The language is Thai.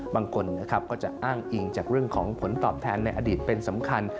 บางคนนะครับก็จะอ้างอิงจากเรื่องของผลตอบแทนในอดีตเป็นสำคัญ